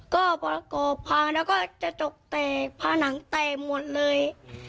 ก็ประโกะพังแล้วก็จกเตะผนังเตะหมดเลย